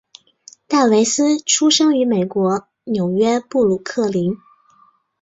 戴维斯出生于美国纽约布鲁克林。